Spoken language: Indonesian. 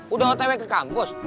udah otw ke kampus